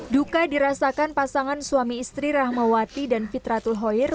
duka dirasakan pasangan suami istri rahmawati dan fitratul hoir